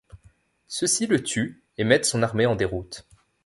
Ceux-ci le tuent et mettent son armée en déroute.